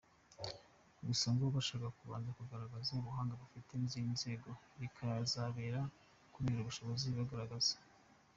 Gusa ngo barashaka kubanza kugaragaza ubuhanga bafite n’izindi nzego zikazabizera kubera ubushobozi bagaragaza.